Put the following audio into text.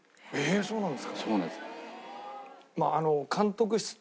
そうなんです。